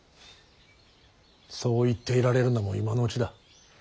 そう言っていられるのも今のうちだ。